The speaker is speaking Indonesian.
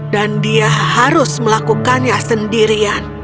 dan dia harus melakukannya sendirian